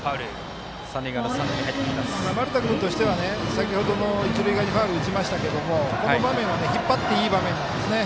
丸田君としては先ほども一塁側にファウル打ちましたけどこの場面を引っ張っていい場面なんですね。